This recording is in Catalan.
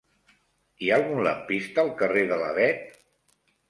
Hi ha algun lampista al carrer de l'Avet?